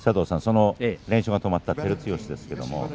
連勝が止まった照強です。